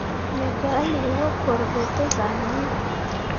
Me gah lii wapǝǝre ɓe te zah nen.